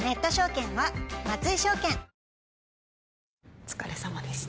お疲れさまでした。